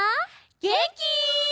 げんき？